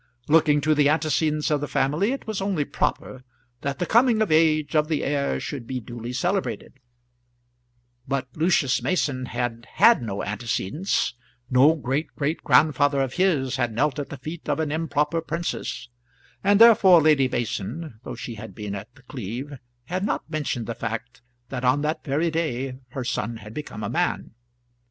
Looking to the antecedents of the family, it was only proper that the coming of age of the heir should be duly celebrated; but Lucius Mason had had no antecedents; no great great grandfather of his had knelt at the feet of an improper princess; and therefore Lady Mason, though she had been at The Cleeve, had not mentioned the fact that on that very day her son had become a man.